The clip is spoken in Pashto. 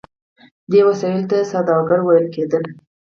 دې وسیلو ته سوداګر ویل کیدل.